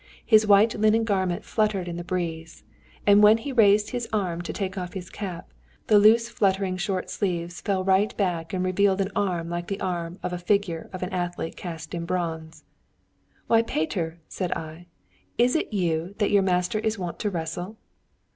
His white linen garment fluttered in the breeze, and when he raised his arm to take off his cap, the loose fluttering short sleeves fell right back and revealed an arm like the arm of the figure of an athlete cast in bronze. 'Why, Peter,' said I, 'is it with you that your master is wont to wrestle?'